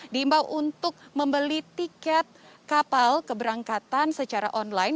diimbau untuk membeli tiket kapal keberangkatan secara online